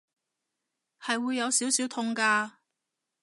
係會有少少痛㗎